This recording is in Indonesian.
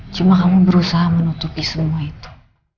cuma kamu berusaha menutupi semua itu